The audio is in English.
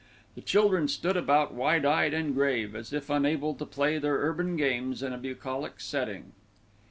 The children stood about wide eyed and grave, as if unable to play their urban games in a bucolic setting.